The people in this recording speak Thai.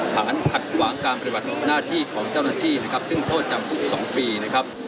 ฐานขัดขวางการปฏิบัติหน้าที่ของเจ้าหน้าที่นะครับซึ่งโทษจำคุก๒ปีนะครับ